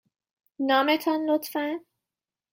نام تان، لطفاً.